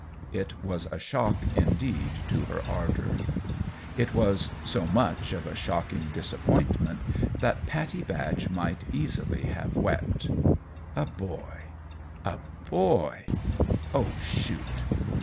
It was a shock, indeed, to her ardour. It was so much of a shocking disappointment that Pattie Batch might easily have wept. A boy a boy! Oh, shoot!